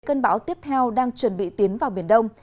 cơn bão tiếp theo đang chuẩn bị tiến vào biển đông